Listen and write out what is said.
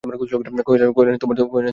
কহিলেন, তোমার নাম কী বাছা?